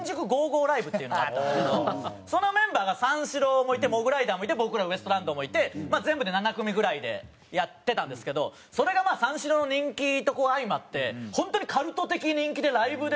ＬＩＶＥ」っていうのがあったんですけどそのメンバーが三四郎もいてモグライダーもいて僕らウエストランドもいて全部で７組ぐらいでやってたんですけどそれがまあ三四郎の人気と相まって本当にカルト的人気でライブでもうすごい。